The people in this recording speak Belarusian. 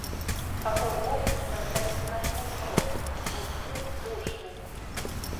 Вакол вогнішча стаіць начны змрок, густы, душны.